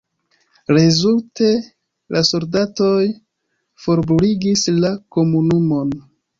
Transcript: Rezulte la soldatoj forbruligis la komunumon.